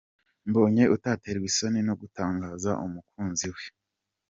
Mbonyi utaterwa isoni no gutangaza umukunzi we.